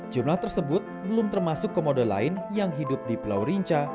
jumlah tersebut belum termasuk komodo lain yang hidup di pulau rinca